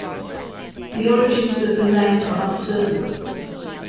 The origins of the name are uncertain.